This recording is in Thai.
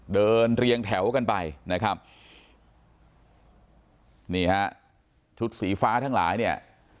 เรียงแถวกันไปนะครับนี่ฮะชุดสีฟ้าทั้งหลายเนี่ย